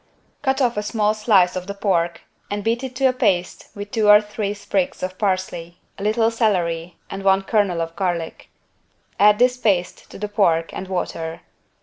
Cut off a small slice of the pork and beat it to a paste with two or three sprigs of parsley, a little celery and one kernel of garlic. Add this paste to the pork and water.